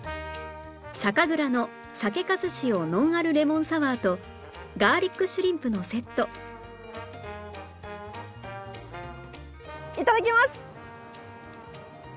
酒蔵の酒粕塩ノンアルレモンサワーとガーリックシュリンプのセットいただきます！